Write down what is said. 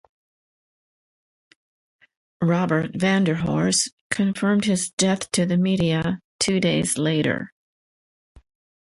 Robert Vanderhorst confirmed his death to the media two days later.